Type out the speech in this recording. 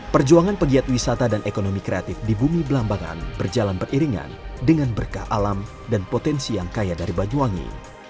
perjuangan pegiat wisata dan ekonomi kreatif di bumi belambangan berjalan beriringan dengan berkah alam dan potensi yang kaya dari banyuwangi